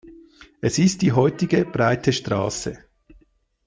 Es ist die heutige Breite Straße.